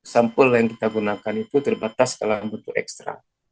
sampel yang kita gunakan itu terbatas dalam bentuk ekstra